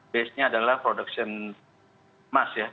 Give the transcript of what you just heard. base nya adalah produksi emas